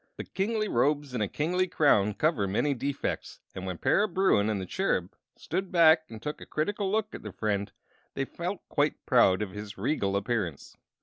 But kingly robes and a kingly crown cover many defects, and when Para Bruin and the Cherub stood back and took a critical look at their friend they felt quite proud of his regal appearance.